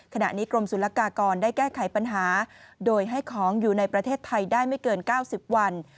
ขณะนี้กรมศุลกากรได้แก้ไขปัญหาโดยให้ของอยู่ในประเทศไทยได้ไม่เกิน๙๐วัน